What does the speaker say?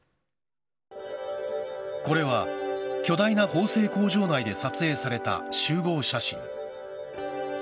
これは巨大な縫製工場内で撮影された集合写真。